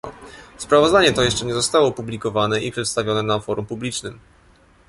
Sprawozdanie to jeszcze nie zostało opublikowane i przedstawione na forum publicznym